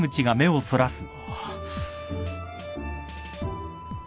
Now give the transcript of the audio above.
ああ。